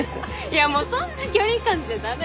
いやもうそんな距離感じゃ駄目。